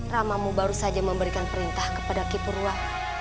ramamu baru saja memberikan perintah kepada ki purwa